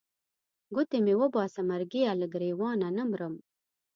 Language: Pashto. ګوتې مې وباسه مرګیه له ګرېوانه نه مرم.